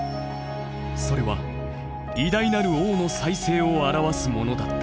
それは偉大なる王の再生を表すものだった。